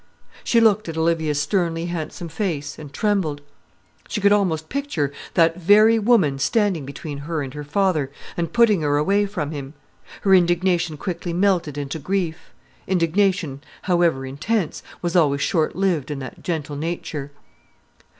She looked at Olivia's sternly handsome face, and trembled. She could almost picture that very woman standing between her and her father, and putting her away from him. Her indignation quickly melted into grief. Indignation, however intense, was always short lived in that gentle nature.